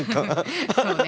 そうね。